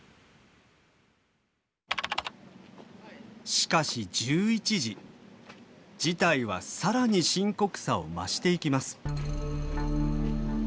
しかし１１時事態は更に深刻さを増していきます。